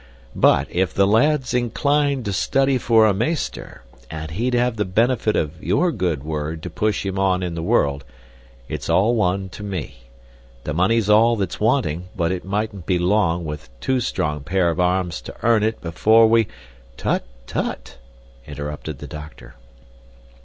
But if the lad's inclined to study for a meester, and he'd have the benefit of your good word to push him on in the world, it's all one to me. The money's all that's wanting, but it mightn't be long, with two strong pair of arms to earn it, before we " "Tut, tut!" interrupted the doctor.